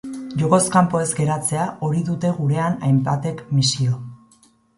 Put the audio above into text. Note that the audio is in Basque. Jokoz kanpo ez geratzea, hori dute gurean hainbatek misio.